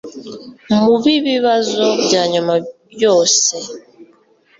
mu bibibazo byanyuma yose